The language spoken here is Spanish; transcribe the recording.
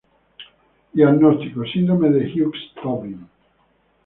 Diagnóstico: Síndrome de Hughes-Stovin.